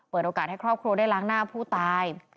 โอกาสให้ครอบครัวได้ล้างหน้าผู้ตาย